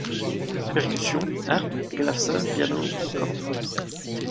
Percussions, harpe, clavecin, piano, cordes.